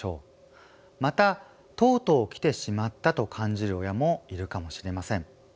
また「とうとう来てしまった」と感じる親もいるかもしれません。